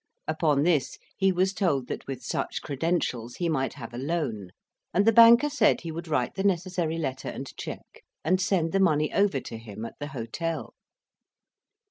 Upon this he was told that with such credentials he might have a loan; and the banker said he would write the necessary letter and cheque, and send the money over to him at the hotel.